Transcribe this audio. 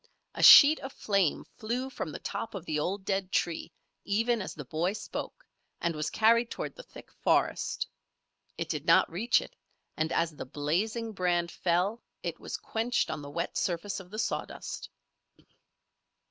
A sheet of flame flew from the top of the old dead tree even as the boy spoke, and was carried toward the thick forest. It did not reach it, and as the blazing brand fell it was quenched on the wet surface of the sawdust.